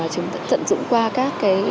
chúng ta tận dụng qua các cái